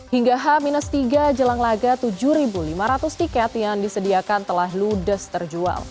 hingga h tiga jelang laga tujuh lima ratus tiket yang disediakan telah ludes terjual